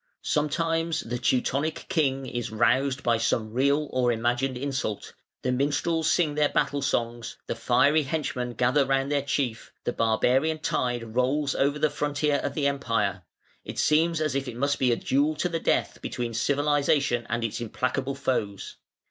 Sometimes the Teutonic king is roused by some real or imagined insult; the minstrels sing their battle songs; the fiery henchmen gather round their chief; the barbarian tide rolls over the frontier of the Empire: it seems as if it must be a duel to the death between civilisation and its implacable foes.